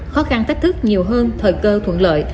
khó khăn thách thức nhiều hơn thời cơ thuận lợi